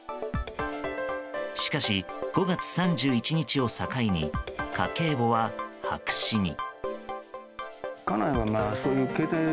しかし、５月３１日を境に家計簿は白紙に。